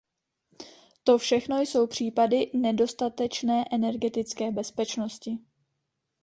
To všechno jsou případy nedostatečné energetické bezpečnosti.